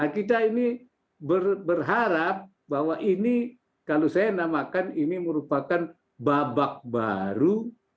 kita ini berharap bahwa ini kalau saya namakan ini merupakan babak baru